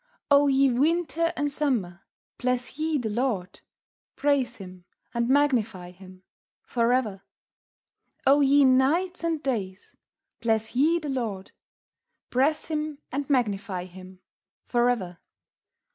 O ye Winter and Summer, Bless ye the Lord; Praise Him, and Magnify Him for ever. O ye Nights and Days, Bless ye the Lord; Praise Him, and Magnify Him for ever.